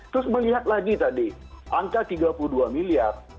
terus melihat lagi tadi angka tiga puluh dua miliar